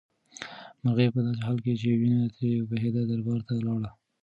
مرغۍ په داسې حال کې چې وینه ترې بهېده دربار ته لاړه.